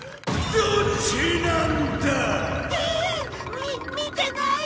み見てない！